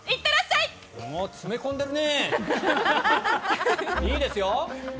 いいですよ！